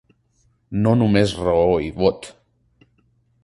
No només raó i vot.